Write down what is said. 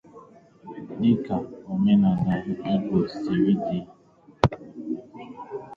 dịka omenala Igbo siri dị.